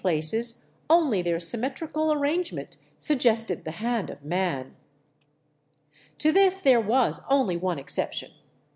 j (places, only their symmetrical arrangement suggested the hand of man. 1 |To this there was only one exception.